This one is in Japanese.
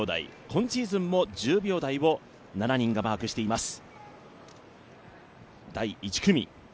今シーズンも１０秒台を７人がマークしています。